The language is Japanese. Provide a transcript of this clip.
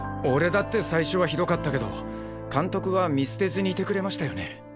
俺だって最初はひどかったけど監督は見捨てずにいてくれましたよね？